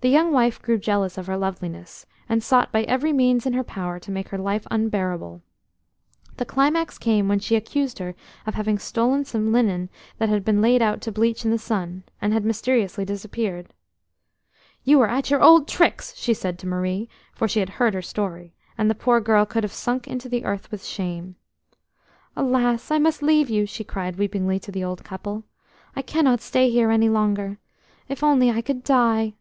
The young wife grew jealous of her loveliness, and sought by every means in her power to make her life unbearable. The climax came when she accused her of having stolen some linen that had been laid out to bleach in the sun, and had mysteriously disappeared. "You are at your old tricks!" she said to Marie, for she had heard her story; and the poor girl could have sunk into the earth with shame. "Alas! I must leave you!" she cried weepingly to the old couple. "I cannot stay here any longer. If only I could die!"